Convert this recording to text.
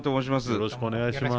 よろしくお願いします。